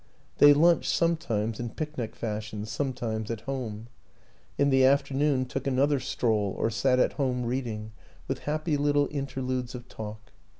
They lunched sometimes in picnic fashion, sometimes at home; in the after noon took another stroll or sat at home reading, with happy little interludes of talk.